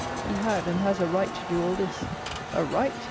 "He had and has a right to do all this." A right?